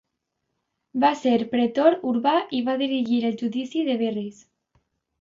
El va ser pretor urbà i va dirigir el judici de Verres.